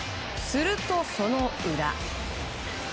すると、その裏。